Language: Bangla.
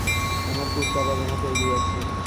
আমার কুর্তা পাজামা তৈরী আছে।